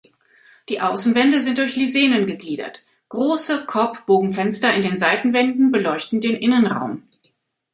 Die Außenwände sind durch Lisenen gegliedert, große Korbbogenfenster in den Seitenwänden beleuchten den Innenraum.